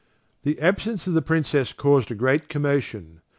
The absence of the Princess caused a great commotion.